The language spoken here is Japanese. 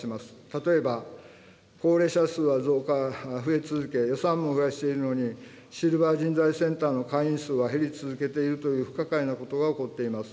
例えば、高齢者数は増え続け、予算も増やしているのに、シルバー人材センターの会員数は減り続けているという不可解なことが起こっています。